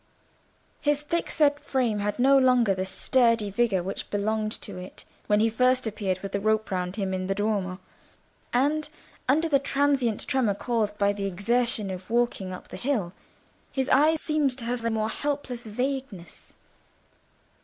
His thickset frame had no longer the sturdy vigour which belonged to it when he first appeared with the rope round him in the Duomo; and under the transient tremor caused by the exertion of walking up the hill, his eyes seemed to have a more helpless vagueness.